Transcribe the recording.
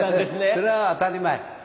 それは当たり前。